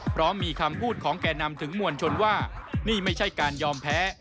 เพราะมีคำพูดของแก่นำถึงมวลชนว่านี่ไม่ใช่การยอมแพ้